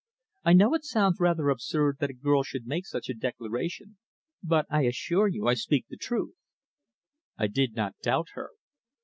I know it sounds rather absurd that a girl should make such a declaration, but I assure you I speak the truth." I did not doubt her.